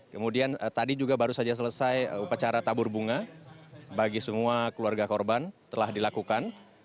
kemudian tadi juga baru saja selesai upacara tabur bunga bagi semua keluarga korban telah dilakukan